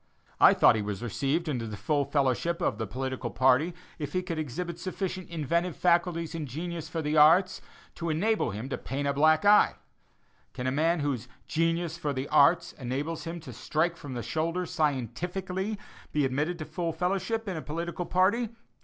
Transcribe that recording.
I thought he was received into the full fellowship of a political party if he could exhibit sufficient "inventive faculties and genius for the arts," to enable him to paint a black eye. Can a man whose "genius for the arts" enables him to strike from the shoulder scientifically, be admitted to full fellowship in a political party?